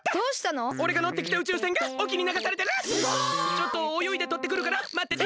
ちょっとおよいでとってくるからまってて！